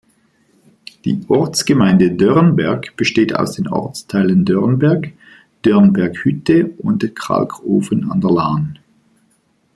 Die Ortsgemeinde Dörnberg besteht aus den Ortsteilen Dörnberg, Dörnberg-Hütte und Kalkofen an der Lahn.